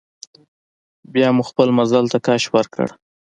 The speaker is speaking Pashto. بیا مو خپل مزل ته کش ورکړ.